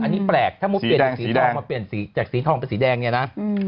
แยะสีทองเป็นสีแดงเนี่ยนะ